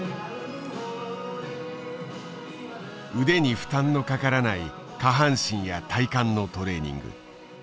腕に負担のかからない下半身や体幹のトレーニング。